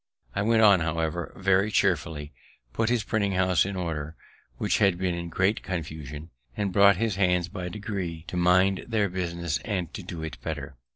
I went on, however, very chearfully, put his printing house in order, which had been in great confusion, and brought his hands by degrees to mind their business and to do it better.